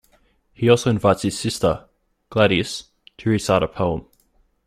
He also invites his sister, Gladys, to recite a poem.